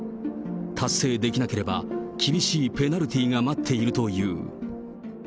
達成できなければ厳しいペナルティーが待っているという。